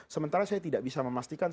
sementara saya tidak bisa memastikan